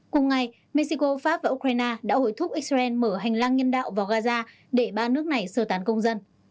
cùng ngày mexico pháp và ukraine đã hồi thúc israel mở hành lang nhân đạo vào gaza để ba nước này sơ tán công dân